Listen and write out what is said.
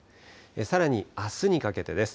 さらにあすにかけてです。